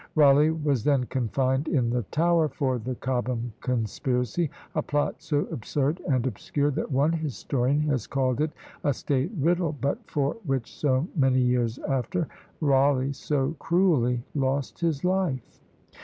Rawleigh was then confined in the Tower for the Cobham conspiracy; a plot so absurd and obscure that one historian has called it a "state riddle," but for which, so many years after, Rawleigh so cruelly lost his life.